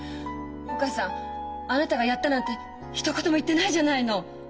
お母さんあなたがやったなんてひと言も言ってないじゃないの！